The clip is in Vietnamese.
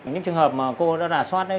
những trường hợp mà cô đã giả soát ấy